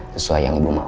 sesuai yang ibu mau